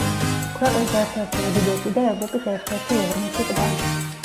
ქვეყნის ერთ-ერთი უდიდესი და ევროპის ერთ-ერთი უღრმესი ტბა.